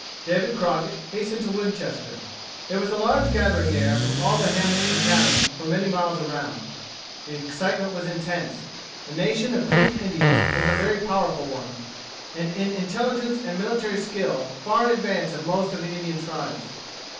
David Crockett hastened to Winchester. There was a large gathering there from all the hamlets and cabins for many miles around. The excitement was intense. The nation of Creek Indians was a very powerful one, and in intelligence and military skill far in advance of most of the Indian tribes.